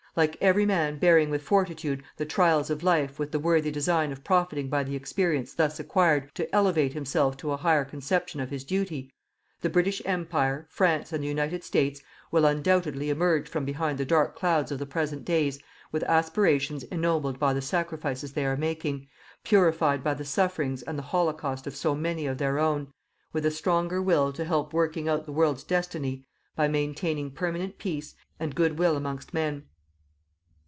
Like everyman bearing with fortitude the trials of life with the worthy design of profiting by the experience thus acquired to elevate himself to a higher conception of his duty, the British Empire, France and the United States will undoubtedly emerge from behind the dark clouds of the present days with aspirations ennobled by the sacrifices they are making, purified by the sufferings and the holocaust of so many of their own, with a stronger will to help working out the world's destiny by maintaining permanent peace and good will amongst men.